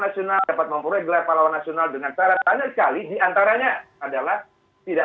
meminta maaf itu adalah bagian dari tradisi kita